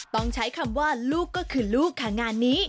ต้องใช้คำว่าลูกก็คือลูกค่ะงานนี้